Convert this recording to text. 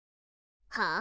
はあ？